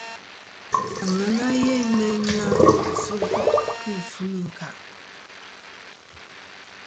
Aŋena yeyn mɨ na sɨ gòˈ kɨ ɨkfɨm ɨ ɨ̀nkàˈ.